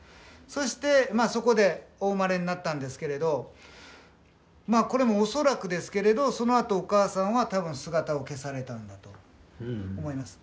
そしてまあそこでお生まれになったんですけれどまあこれも恐らくですけれどそのあとお母さんは多分姿を消されたんだと思います。